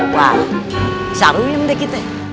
wah bisa ruin deh kita